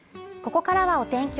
ここからはお天気